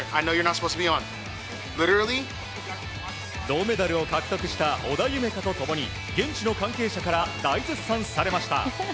銅メダルを獲得した織田夢海と共に現地の関係者から大絶賛されました。